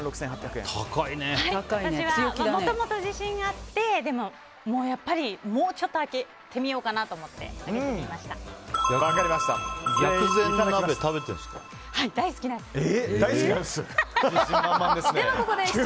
私はもともと自信があってでも、やっぱりもうちょっとだけいってみようかなと思って薬膳鍋食べてるんですか？